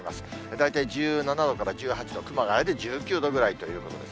大体１７度から１８度、熊谷で１９度ぐらいということです。